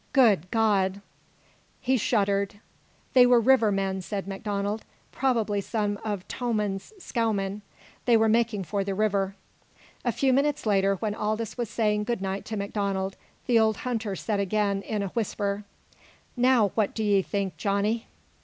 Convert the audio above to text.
Good God " He shuddered. "They were river men," said MacDonald. "Probably some of Tomman's scow men. They were making for the river." A few minutes later, when Aldous was saying good night to MacDonald, the old hunter said again, in a whisper: "Now what do 'ee think, Johnny?"